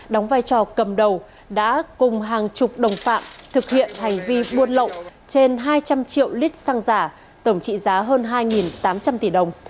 đóng vai trò cầm đầu đã cùng hàng chục đồng phạm thực hiện hành vi buôn lậu trên hai trăm linh triệu lít xăng giả tổng trị giá hơn hai tám trăm linh tỷ đồng